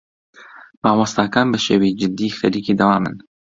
مامۆستاکان بەشێوەی جدی خەریکی دەوامن.